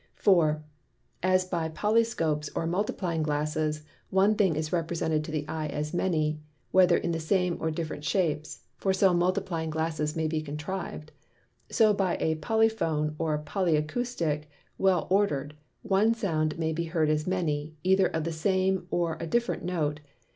4. As by Polyscopes or Multiplying Glasses, one thing is represented to the Eye as many, whether in the same or different Shapes (for so Multiplying Glasses may be contriv'd:) So by a Polyphone or Polyacoustick well order'd, one Sound may be heard as many, either of the same or a different Note.